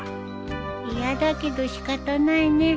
嫌だけど仕方ないね